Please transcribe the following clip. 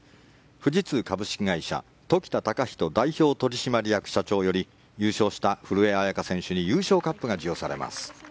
富士通株式会社時田隆仁代表取締役社長より優勝した古江彩佳選手に優勝カップが授与されます。